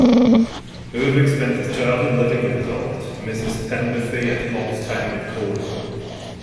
Irving spent his childhood living with his aunt, Mrs Penberthy, at Halsetown in Cornwall.